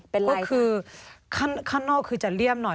ก็คือข้างนอกคือจะเลี่ยมหน่อย